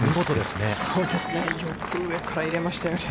よく上から入れましたよね。